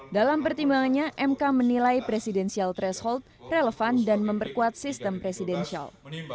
dalam pertimbangannya mk menilai presidensial threshold relevan dan memperkuat sistem presidensial